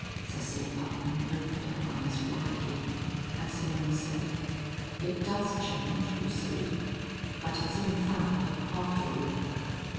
Cecily Putnam opened her eyes widely, and Simone said, "It does change, you see. But it's in the family, after all."